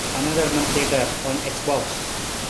Another month later: on Xbox.